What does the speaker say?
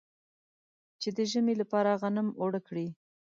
چې د ژمي لپاره غنم اوړه کړي.